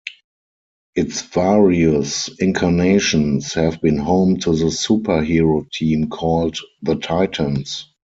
Its various incarnations have been home to the superhero team called the Titans.